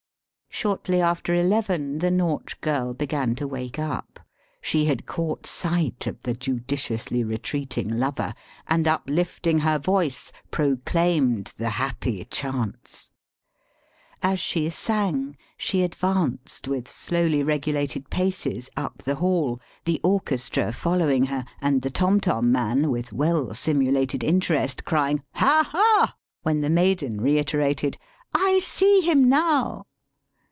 Shortly after eleven the Nautch girl began to wake up. She had caught sight of the judiciously retreating lover, and, uplifting her voice, proclaimed the happy chance. As she sang she advanced with slowly regulated paces up the hall, the orchestra following her, and the tomtom man, with well simulated interest. Digitized by VjOOQIC 192 EAST BY WEST. crjdng, ^* Ha ! ha !" when the maiden reiterated, ^'I see him now.'